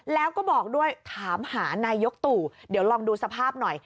แล้วก็บอกด้วยถามหานายกตู่เดี๋ยวลองดูสภาพหน่อย